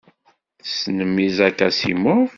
Tessnem Isaac Asimov?